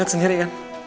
niat sendiri kan